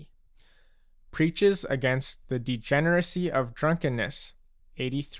preaches against the degeneracy of drunkenness (LXXXIII.)